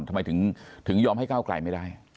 ทำไมถึงยอมให้ก้าวไกลไม่ได้